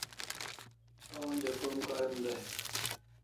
A onja krom karim day